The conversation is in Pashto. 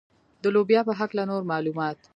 د لوبیا په هکله نور معلومات.